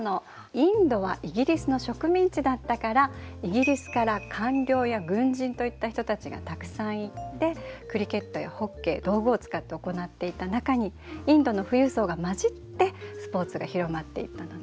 インドはイギリスの植民地だったからイギリスから官僚や軍人といった人たちがたくさん行ってクリケットやホッケー道具を使って行っていた中にインドの富裕層が混じってスポーツが広まっていったのね。